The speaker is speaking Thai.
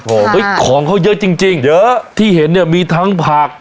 สวัสดีครับของเขาเยอะจริงจริงเยอะที่เห็นเนี่ยมีทั้งผัก